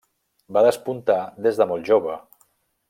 Va despuntar des de molt jove.